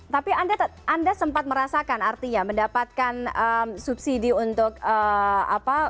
tapi anda sempat merasakan artinya mendapatkan subsidi untuk apa